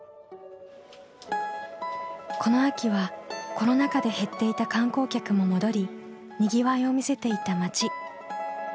この秋はコロナ禍で減っていた観光客も戻りにぎわいを見せていた町。